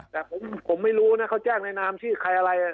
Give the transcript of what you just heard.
แต่ผมไม่รู้นะเขาแจ้งในนามชื่อใครอะไร